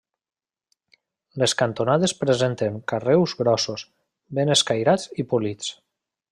Les cantonades presenten carreus grossos, ben escairats i polits.